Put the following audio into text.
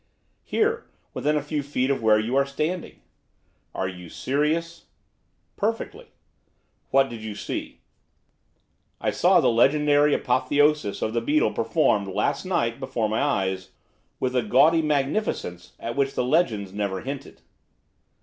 'Here, within a few feet of where you are standing.' 'Are you serious?' 'Perfectly.' 'What did you see?' 'I saw the legendary Apotheosis of the Beetle performed, last night, before my eyes, with a gaudy magnificence at which the legends never hinted.